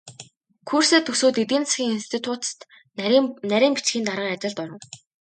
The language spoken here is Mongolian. Курсээ төгсөөд эдийн засгийн институцэд нарийн бичгийн даргын ажилд оров.